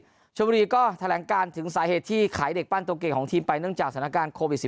ชมบุรีก็แถลงการถึงสาเหตุที่ขายเด็กปั้นตัวเก่งของทีมไปเนื่องจากสถานการณ์โควิด๑๙